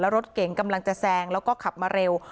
รถเก๋งกำลังจะแซงแล้วก็ขับมาเร็ว